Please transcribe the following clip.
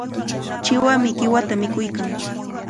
Chiwami qiwata mikuykan.